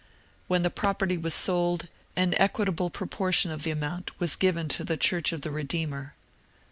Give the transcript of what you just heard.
When the pro perty was sold an equitable proportion of the amount was given to the " Church of the Redeemer."